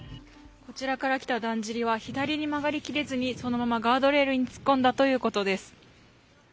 こちらから来た、だんじりは左に曲がりきれずにそのままガードレールに突っ込んだということです。